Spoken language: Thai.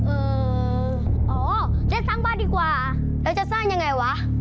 เอออ๋อได้สร้างบ้านดีกว่าแล้วจะสร้างยังไงวะ